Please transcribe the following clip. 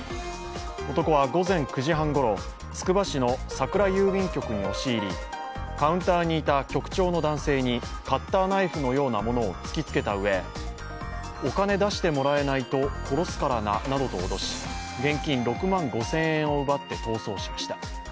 男は午前９時半ごろ、つくば市の桜郵便局に押し入りカウンターにいた局長の男性にカッターナイフのようなものを突きつけたうえお金出してもらえないと殺すからななどと脅し現金６万５０００円を奪って逃走しました。